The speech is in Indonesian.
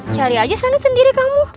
cari aja sana sendiri kamu